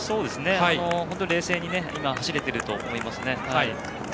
本当に冷静で走れていると思いますね。